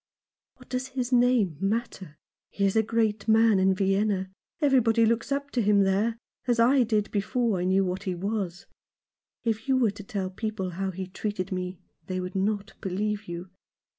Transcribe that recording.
" What does his name matter ? He is a great man in Vienna. Everybody looks up to him there, as I did before I knew what he was. If you were to tell people how he treated me they would not believe you.